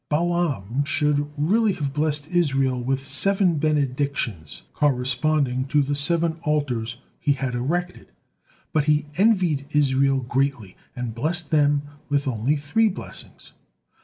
Balaam should really have blessed Israel with seven benedictions, corresponding to the seven altars he had erected, but he envied Israel greatly, and blessed them with only three blessings.